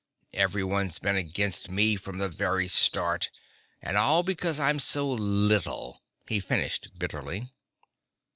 Everybody's been against me from the very start, and all because I'm so little," he finished bitterly.